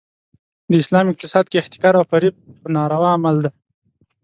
د اسلام اقتصاد کې احتکار او فریب یو ناروا عمل دی.